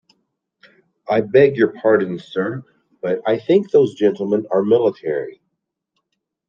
I beg your pardon, sir, but I think those gentlemen are military?